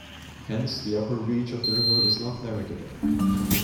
Hence, the upper reach of the river is not navigable.